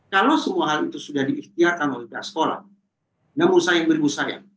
kalau semua hal itu sudah diikhtiarkan oleh pihak sekolah namun sayang beribu saya